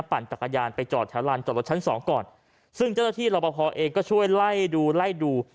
ปั่นจักรยานไปจอดแถวลานจอดรถชั้นสองก่อนซึ่งเจ้าหน้าที่รับประพอเองก็ช่วยไล่ดูไล่ดู